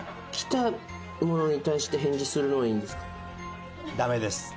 来たものに対して返事するのはいいんですか？